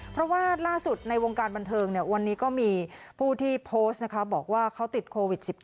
เพราะว่าล่าสุดในวงการบันเทิงวันนี้ก็มีผู้ที่โพสต์นะคะบอกว่าเขาติดโควิด๑๙